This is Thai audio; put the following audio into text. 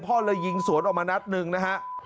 พ่อเลยยิงสวนออกมานัดหนึ่งนะฮะ